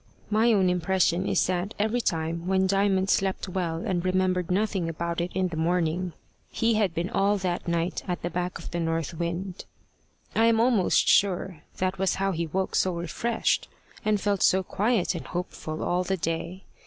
My own impression is that every time when Diamond slept well and remembered nothing about it in the morning, he had been all that night at the back of the north wind. I am almost sure that was how he woke so refreshed, and felt so quiet and hopeful all the day.